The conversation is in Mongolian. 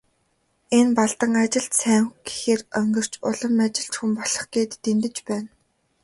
Энэ Балдан ажилд сайн гэхээр онгирч, улам ажилч хүн болох гэж дэндэж байна.